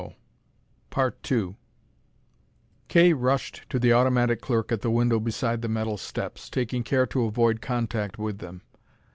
Kay rushed to the automatic clerk at the window beside the metal steps, taking care to avoid contact with them.